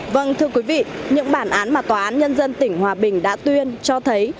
vâng thưa quý vị những bản án mà tòa án nhân dân tỉnh hòa bình đã tuyên cho thấy